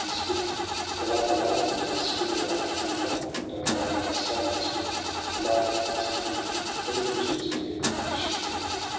And swift; for like the lightning to this field I came, and like the wind I go away — Sudden, and swift, and like a passing wind. SOHRAB AND RUSTUM. 115 But it was writ in Heaven that this should be.'